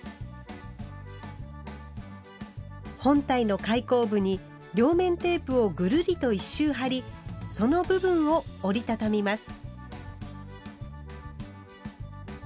本体の開口部に両面テープをぐるりと一周貼りその部分を折り畳みます。